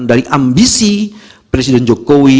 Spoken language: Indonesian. dari ambisi presiden jokowi